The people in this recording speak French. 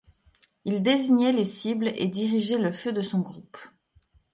Il désignait les cibles et dirigeait le feu de son groupe.